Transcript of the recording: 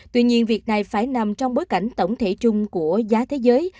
tuy nhiên việc này phải nằm trong bối cảnh tổng thể chung của giá thế giới